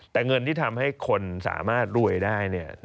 แต่เงินที่ทำให้คนสามารถรวยได้